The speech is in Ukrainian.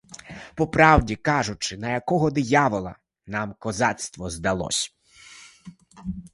По правді кажучи, на якого диявола нам козацтво здалось?